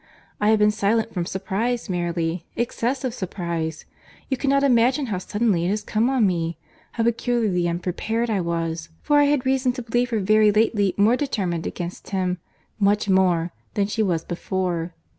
I have been silent from surprize merely, excessive surprize. You cannot imagine how suddenly it has come on me! how peculiarly unprepared I was!—for I had reason to believe her very lately more determined against him, much more, than she was before."